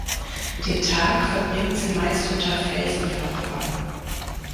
Den Tag verbringen sie meist unter Felsen verborgen.